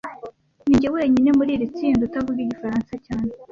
Ninjye wenyine muri iri tsinda utavuga igifaransa cyane